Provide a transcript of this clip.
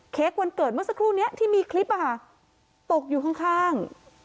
วันเกิดเมื่อสักครู่นี้ที่มีคลิปตกอยู่ข้าง